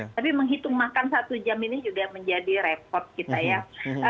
tapi menghitung makan satu jam ini juga menjadi repot kita ya